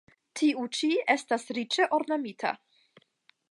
Tiu ĉi estas riĉe ornamita.